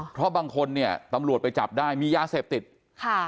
เพราะบางคนเนี่ยตำรวจไปจับได้มียาเสพติดค่ะ